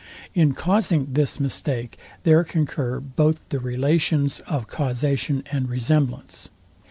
In causing this mistake there concur both the relations of causation and resemblance.